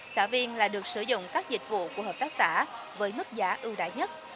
xã viên là được sử dụng các dịch vụ của hợp tác xã với mức giá ưu đại nhất